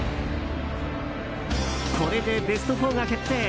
これでベスト４が決定。